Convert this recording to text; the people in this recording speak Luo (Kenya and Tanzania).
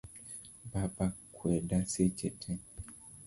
Baba kweda seche tee